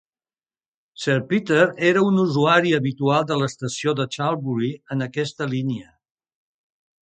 Sir Peter era un usuari habitual de l'estació de Charlbury en aquesta línia.